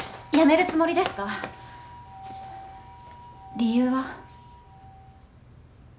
理由は？